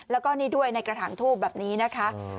แล้วก็นี่ด้วยในกระถางทูบแบบนี้นะคะ